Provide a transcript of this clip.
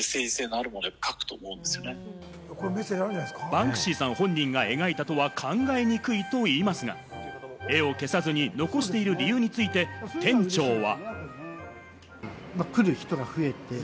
バンクシーさん本人が描いたとは考えにくいといいますが、絵を消さずに残している理由について、店長は。